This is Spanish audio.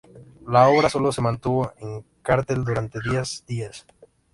La obra solo se mantuvo en cartel durante diez días.